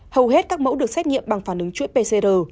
hầu hết các mẫu được xét nghiệm bằng phản ứng chuỗi pcr